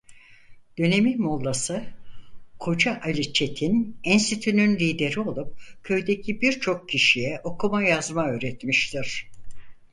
Dönemin Molla'sı Koca Ali Çetin enstitünün lideri olup köydeki birçok kişiye okuma yazma öğretmiştir.